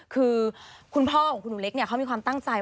คือคุณพ่อของคุณหนูเล็กเนี่ยเขามีความตั้งใจ